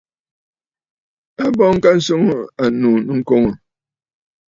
A bɔŋ ka swɔŋ ànnù nɨkoŋǝ̀.